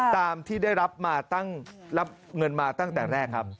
ตามที่ได้รับเงินมาตั้งแต่แรกครับ